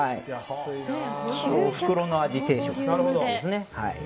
おふくろの味定食というんですね。